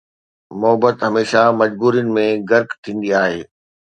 محبت هميشه مجبورين ۾ غرق ٿيندي آهي